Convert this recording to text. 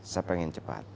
saya pengen cepat